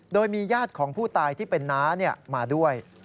โดยมีญาติของผู้ตายที่เป็นน้ามาด้วย